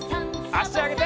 あしあげて。